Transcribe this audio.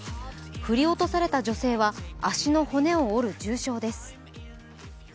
振り落とされた女性は、足の骨を折る重傷です。